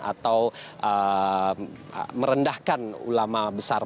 atau merendahkan ulama besar